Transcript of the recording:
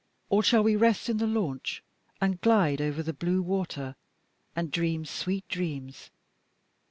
Or shall we rest in the launch and glide over the blue water, and dream sweet dreams?